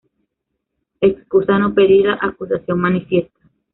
Excusa no pedida, acusación manifiesta